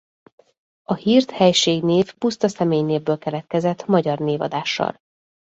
A Hird helységnév puszta személynévből keletkezett magyar névadással.